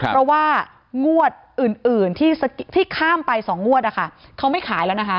เพราะว่างวดอื่นที่ข้ามไป๒งวดนะคะเขาไม่ขายแล้วนะคะ